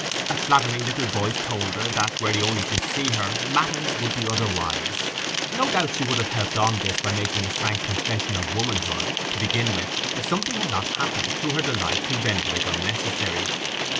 A flattering little voice told her that, were he only to see her, matters would be otherwise. No doubt she would have helped on this by making a frank confession of womanhood, to begin with, if something had not happened, to her delight, to render it unnecessary.